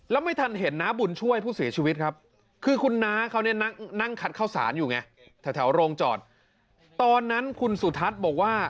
แล้วไม่ทันเห็นนางบุญช่วยผู้เสียชีวิตครับ